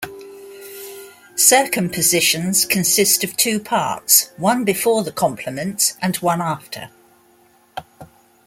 Circumpositions consist of two parts, one before the complement and one after.